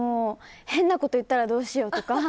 変なことを言ったらどうしようとか。